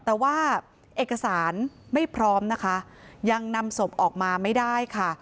แต่ว่าเอกสารไม่พร้อมนะคะยังนำศพออกมาไม่ได้ค่ะ